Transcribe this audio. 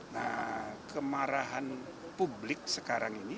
nah kemarahan publik sekarang ini